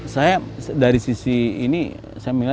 saya dari sisi ini saya melihat